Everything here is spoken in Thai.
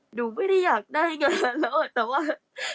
หนูไม่ได้อยากได้งานแล้วแต่ว่า